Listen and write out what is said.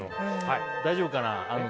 大丈夫かな。